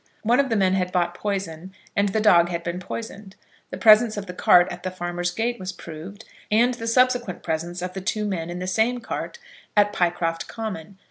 One of the men had bought poison, and the dog had been poisoned. The presence of the cart at the farmer's gate was proved, and the subsequent presence of the two men in the same cart at Pycroft Common.